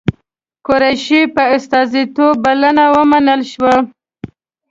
قریشي په استازیتوب بلنه ومنل شوه.